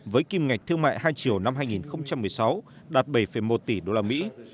với kim ngạch thương mại hai triệu năm hai nghìn một mươi sáu đạt bảy một tỷ đô la mỹ